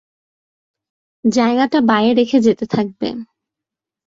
জায়গাটা বায়ে রেখে যেতে থাকবে।